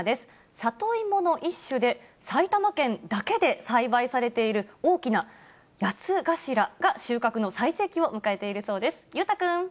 里芋の一種で、埼玉県だけで栽培されている大きな八つ頭が、収穫の最盛期を迎えているそうです。